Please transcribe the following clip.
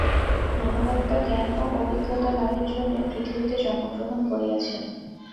মানবাত্মা জ্ঞান ও অভিজ্ঞতা-লাভের জন্যই পৃথিবীতে জন্মগ্রহণ করিয়াছেন।